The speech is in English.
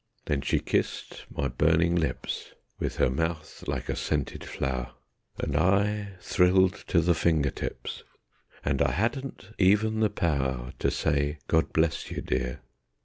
Then she kissed my burning lips With her mouth like a scented flower, And I thrilled to the finger tips, And I hadn't even the power To say: "God bless you, dear!"